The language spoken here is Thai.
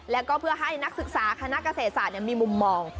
แล้วก็เพื่อให้นักศึกษาคณะเกษตรศาสตร์มีมุมมอง